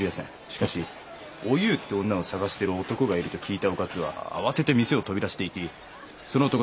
しかしお夕って女を捜してる男がいると聞いたお勝は慌てて店を飛び出していきその男